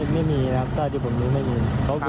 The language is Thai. ไม่มีนะครับเท่าที่ผมรู้ไม่มี